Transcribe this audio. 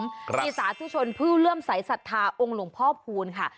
มีสาธุชนผู้เลื่อมสายศรัทธาองค์หลวงพ่อพูนค่ะ